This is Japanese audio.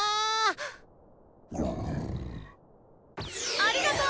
ありがと！